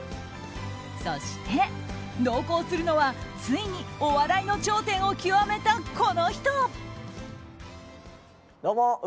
そして、同行するのはついにお笑いの頂点を極めたこの人！